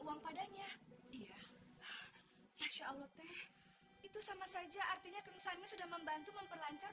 uang padanya iya masya allah teh itu sama saja artinya kang sami sudah membantu memperlancar